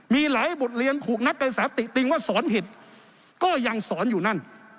มีหลายบทเรียนถูกนักการสาติติงว่าสอนผิดก็ยังสอนอยู่นั่น